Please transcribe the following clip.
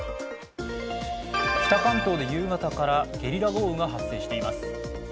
北関東では夕方からゲリラ豪雨が発生しています。